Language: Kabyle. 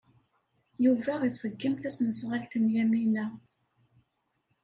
Yuba iṣeggem tasnasɣalt n Yamina.